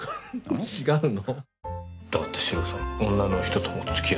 違うの？